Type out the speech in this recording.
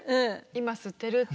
今吸ってるって。